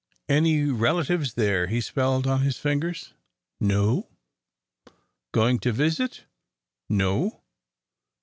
"Any relatives there?" he spelled on his fingers. "No." "Going to visit?' "No."